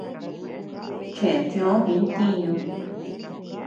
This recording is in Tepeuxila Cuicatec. Cheʼtiö di ntiñu.